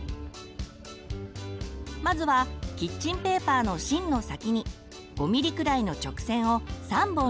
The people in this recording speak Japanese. まずはキッチンペーパーの芯の先に５ミリくらいの直線を３本引きます。